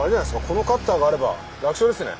このカッターがあれば楽勝ですね。